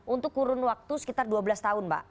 untuk kurun waktu sekitar dua belas tahun mbak